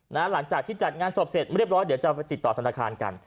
หลังจากที่จัดงานศพเสร็จเรียบร้อยเดี๋ยวจะไปติดต่อธนาคารกัน